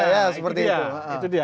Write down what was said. ya itu dia